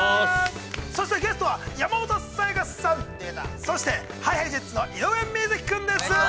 そしてゲストは、山本彩さん、そして、ＨｉＨｉＪｅｔｓの井上瑞稀さんです。